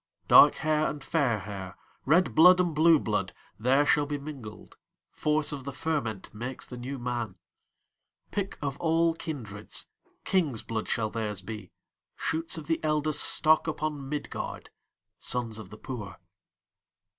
Dark hair and fair hair, Red blood and blue blood, There shall be mingled; Force of the fermentMakes the New Man.Pick of all kindreds, King's blood shall theirs be, Shoots of the eldestStock upon Midgard, Sons of the poor.